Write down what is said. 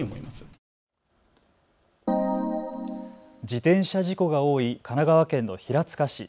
自転車事故が多い神奈川県の平塚市。